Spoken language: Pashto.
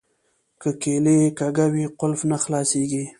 که کیلي کږه وي قلف نه خلاصیږي.